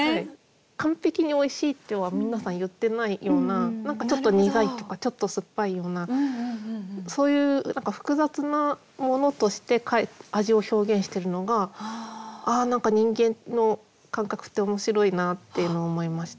完璧においしいとは皆さん言ってないような何かちょっと苦いとかちょっと酸っぱいようなそういう複雑なものとして味を表現してるのがああ何か人間の感覚って面白いなっていうのを思いました。